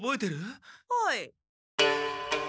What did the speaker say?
はい。